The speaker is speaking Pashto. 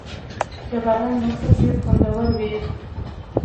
• د باران موسم ډېر خوندور وي.